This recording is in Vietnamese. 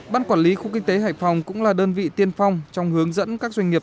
ban quản lý khu kinh tế hải phòng cũng là đơn vị tiên phong trong hướng dẫn các doanh nghiệp